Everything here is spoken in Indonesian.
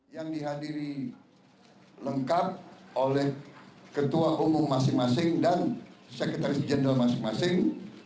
yang dihadiri lengkap oleh ketua umum masing masing dan sekretaris jenderal masing masing